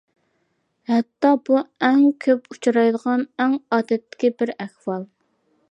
ھەتتا بۇ ئەڭ كۆپ ئۇچرايدىغان، ئەڭ ئادەتتىكى بىر ئەھۋال.